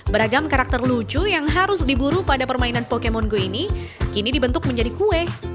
beragam karakter lucu yang harus diburu pada permainan pokemon go ini kini dibentuk menjadi kue